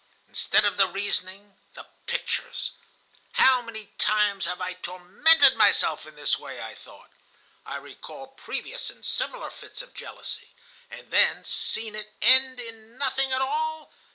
Instead of the reasoning, the pictures. "'How many times have I tormented myself in this way,' I thought (I recalled previous and similar fits of jealousy), 'and then seen it end in nothing at all?